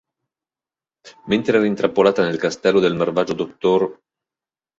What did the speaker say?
Mentre era intrappolata nel castello del malvagio Dr.